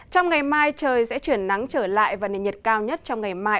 trong ngày mai trời sẽ chuyển nắng trở lại và nền nhiệt cao nhất trong ngày mai